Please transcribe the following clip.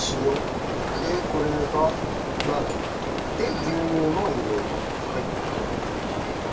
でこれがマーガリン。で牛乳も入れる。